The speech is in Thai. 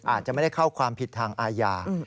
อาจจะไม่ได้เข้าความผิดทางอาญา